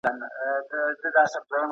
ډنډ شوې اوبه باید وچې شي.